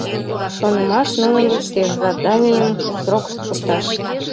Шонымаш нунын икте: заданийым срокышто шукташ.